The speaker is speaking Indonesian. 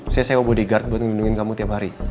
saya sewa bodyguard buat ngelindungi kamu tiap hari